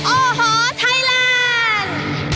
โอ้โหไทยแลนด์